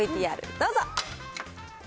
ＶＴＲどうぞ。